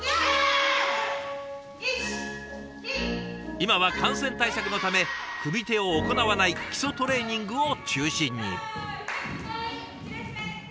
今は感染対策のため組み手を行わない基礎トレーニングを中心に。